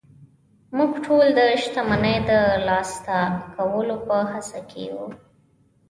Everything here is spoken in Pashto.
موږ ټول د شتمنۍ د ترلاسه کولو په هڅه کې يو